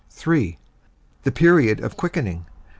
(3) _The period of quickening.